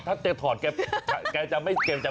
ถ้าเธอถอดแกจะไม่ต้องเต้น